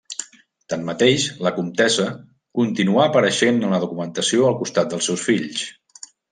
Tanmateix, la comtessa continuà apareixent en la documentació al costat dels seus fills.